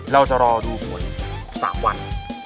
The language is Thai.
เราจะรอดูผล๓วัน